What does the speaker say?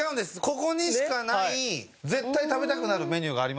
ここにしかない絶対食べたくなるメニューがありますから。